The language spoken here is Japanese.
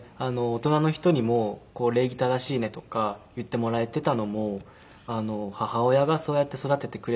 大人の人にも「礼儀正しいね」とか言ってもらえていたのも母親がそうやって育ててくれていたのが。